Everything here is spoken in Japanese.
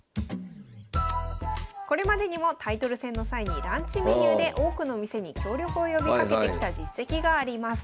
これまでにもタイトル戦の際にランチメニューで多くの店に協力を呼びかけてきた実績があります。